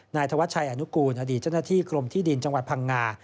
ธวัชชัยอนุกูลอดีตเจ้าหน้าที่กรมที่ดินจังหวัดพังงา